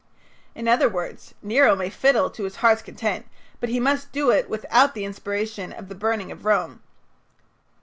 In other words, Nero may fiddle to his heart's content, but he must do it without the inspiration of the burning of Rome.